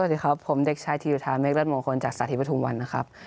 สวัสดีครับผมเด็กชายธีรธาเมฆรัฐมงคลจากสาธิปฐุมวันนะครับ